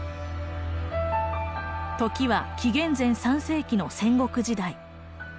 時は紀元前３世紀の戦国時代。